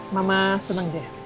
mama seneng deh